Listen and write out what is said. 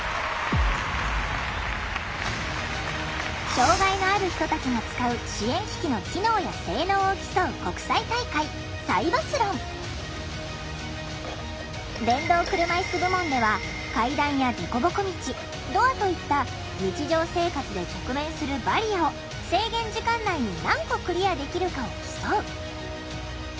障害のある人たちが使う支援機器の機能や性能を競う国際大会電動車いす部門では階段やでこぼこ道ドアといった日常生活で直面するバリアを制限時間内に何個クリアできるかを競う。